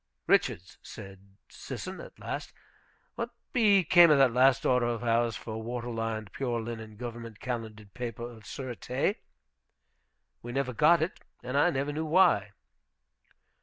"Richards," said Sisson at last, "what became of that last order of ours for water lined, pure linen government calendered paper of sureté? We never got it, and I never knew why."